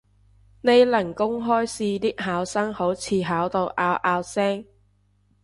呢輪公開試啲考生好似考到拗拗聲